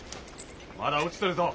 まだ落ちとるぞ。